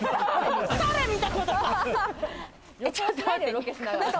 それ見たことか！